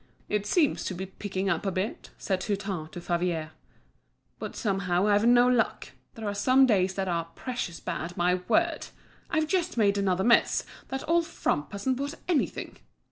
"It seems to be picking up a bit," said Hutin to Favier. "But somehow I've no luck; there are some days that are precious bad, my word! I've just made another miss, that old frump hasn't bought anything."